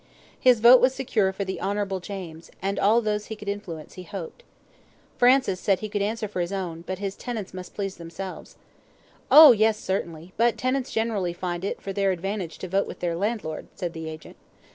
His vote was secure for the Honourable James, and all those he could influence, he hoped. Francis said he could answer for his own, but his tenants must please themselves. "Oh, yes, certainly; but tenants generally find it for their advantage to vote with their landlord," said the agent.